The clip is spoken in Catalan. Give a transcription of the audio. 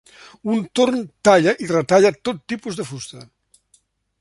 Un torn talla i retalla tot tipus de fusta.